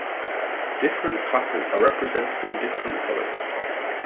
Different classes are represented in different colours.